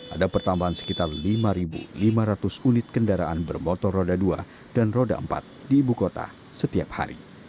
ada pertambahan sekitar lima lima ratus unit kendaraan bermotor roda dua dan roda empat di ibu kota setiap hari